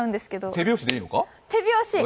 手拍子でいいのかな？